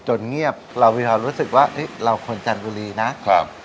เงียบเรามีความรู้สึกว่าเราคนจันทบุรีนะครับ